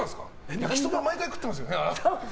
焼きそば毎回食ってますよね？